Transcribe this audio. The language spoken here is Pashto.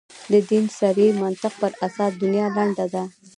د دین صریح منطق پر اساس دنیا لنډه ده.